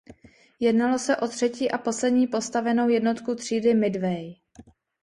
Jednalo se o třetí a poslední postavenou jednotku třídy "Midway".